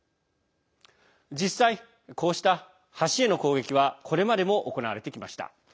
実際、こうした橋への攻撃はこれまでも行われてきました。